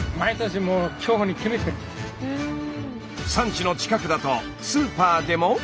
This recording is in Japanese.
産地の近くだとスーパーでも。